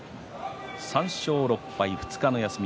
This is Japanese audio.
３勝６敗２日の休み。